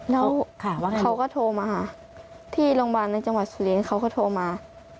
แล้วเขาก็โทรมาหาที่โรงพยาบาลในจังหวัดสุรินทร์เขาก็โทรมา